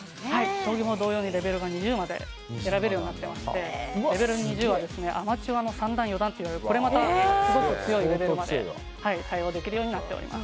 将棋も同様にレベル２０まで選べるようになっていてレベル２０は、アマチュアの３段、４段といわれるこれまたすごく強いレベルまで対応できるようになっています。